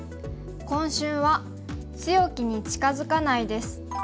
今週は「強きに近づかない」です。